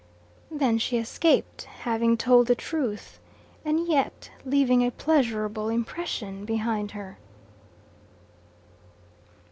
Then she escaped, having told the truth, and yet leaving a pleasurable impression behind her.